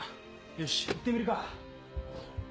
よし行ってみるか。